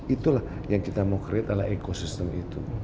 itulah yang kita mau create adalah ekosistem itu